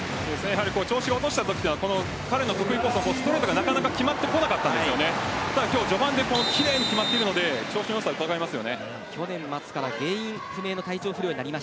調子を落としたときには彼のストレートがなかなか決まってこなかったんですが今日は序盤で奇麗に決まってるので調子のよさがうかがえます。